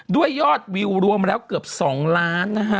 ด้วยยอดวิวรวมมาแล้วเกือบ๒ล้าน